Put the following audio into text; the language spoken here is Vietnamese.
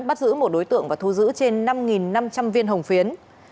bắt giữ một đối tượng và thu giữ trên năm năm trăm linh viên hồng phiến